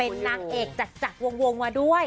เป็นนางเอกจากวงมาด้วย